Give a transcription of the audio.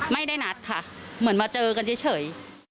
ไม่ได้นัดค่ะเหมือนมาเจอกันเฉย